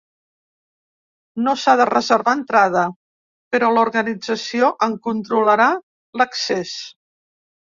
No s’ha de reservar entrada, però l’organització en controlarà l’accés.